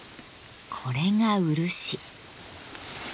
これが漆。